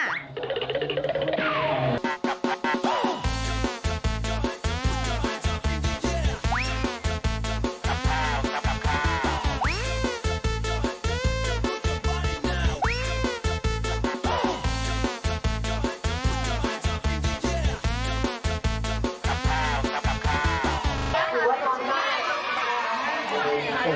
สุดท้ายเข้ากินได้แล้วครับ